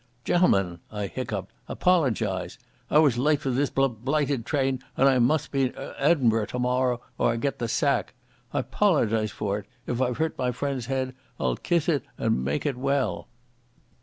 "Gen'lmen," I hiccoughed, "I "pologise. I was late for this bl blighted train and I mus' be in E'inburgh "morrow or I'll get the sack. I "pologise. If I've hurt my friend's head, I'll kiss it and make it well."